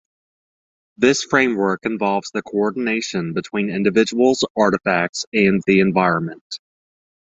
This framework involves the coordination between individuals, artifacts and the environment.